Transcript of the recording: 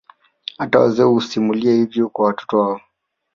Hata wazee husimulia hivyo kwa watoto wao